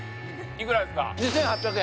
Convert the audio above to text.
いくらですか？